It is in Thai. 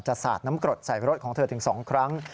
สาดน้ำกรดใส่รถของเธอถึง๒ครั้ง